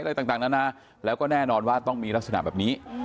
อะไรต่างนานาแล้วก็แน่นอนว่าต้องมีลักษณะแบบนี้